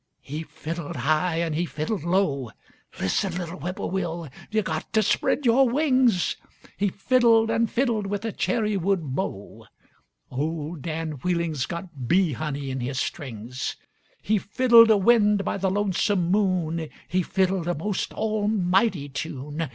He fiddled high and he fiddled low, (Listen, little whippoorwill, yuh got to spread yore wings!) He fiddled and fiddled with a cherrywood bow, (Old Dan Wheeling's got bee honey in his strings). He fiddled a wind by the lonesome moon, He fiddled a most almighty tune.